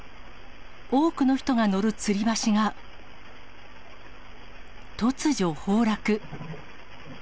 多くの人が乗るつり橋が、突如崩落。